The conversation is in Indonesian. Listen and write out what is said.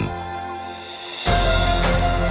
kepedulian kita terhadap keadaan kita